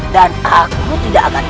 dan aku akan menangkapmu